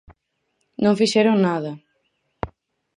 Non fixeron nada.